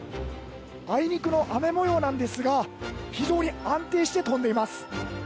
あいにくの雨模様なんですが非常に安定して飛んでいます。